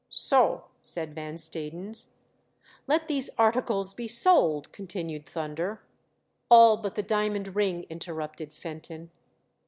*' So," said Van Stadens. " Let these articles be sold," continued Thunder. " All but the diamond ring," interrupted Fenton.